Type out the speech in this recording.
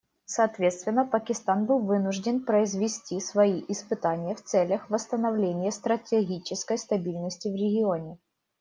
Соответственно, Пакистан был вынужден произвести свои испытания в целях восстановления стратегической стабильности в регионе.